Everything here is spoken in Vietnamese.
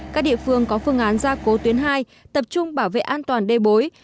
các địa phương có phương án gia cố tuyến hai tập trung bảo vệ an toàn đê bối